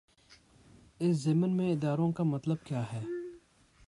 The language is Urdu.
اس ضمن میں اداروں کا مطلب کیا ہے؟